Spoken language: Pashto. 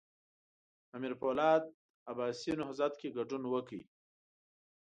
امیر پولاد عباسي نهضت کې ګډون وکړ.